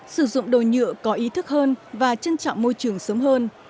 sử dụng đồ nhựa có ý thức hơn và trân trọng môi trường sớm hơn